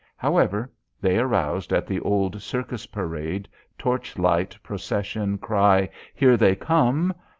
However, they aroused at the old circus parade, torch light procession cry, "Here they come."